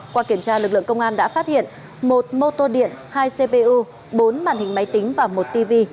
qua kiểm tra lực lượng công an đã phát hiện một mô tô điện hai cpu bốn màn hình máy tính và một tv